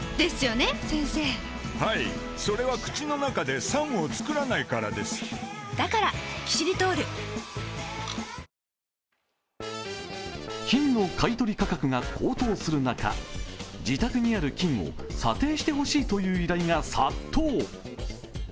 目標査定額は１５０万円と話しますが金の買い取り価格が高騰する中自宅にある金を査定してほしいという依頼が殺到。